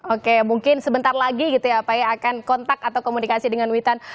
oke mungkin sebentar lagi gitu ya pak ya akan kontak atau komunikasi dengan witan